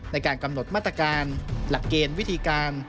ในการกำหนดมาตรการหลักเกณฑ์วิธีการ